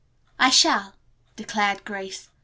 "I shall," declared Grace.